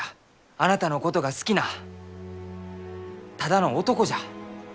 あなたのことが好きなただの男じゃ！